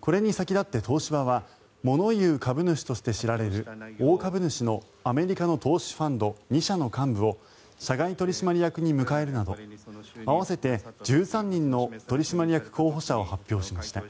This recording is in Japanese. これに先立って東芝は物言う株主として知られる大株主のアメリカの投資ファンド２社の幹部を社外取締役に迎えるなど合わせて１３人の取締役候補者を発表しました。